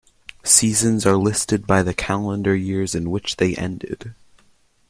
Seasons are listed by the calendar years in which they ended.